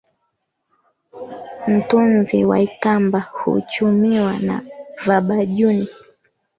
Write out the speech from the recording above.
Ntudhi wa ikamba huchumiwa na vabajuni.